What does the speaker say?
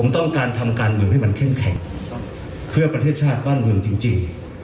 ต้องการทำการเมืองให้มันเข้มแข็งเพื่อประเทศชาติบ้านเมืองจริง